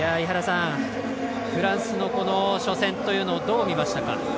フランスの初戦というのをどう見ましたか？